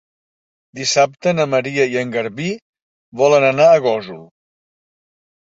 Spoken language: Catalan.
Dissabte na Maria i en Garbí volen anar a Gósol.